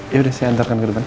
ya udah saya antarkan ke depan